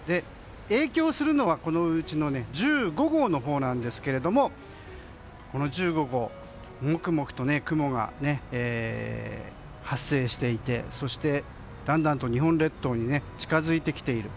影響するのはこのうちの１５号のほうですがもくもくと雲が発生していてだんだんと日本列島に近づいてきている。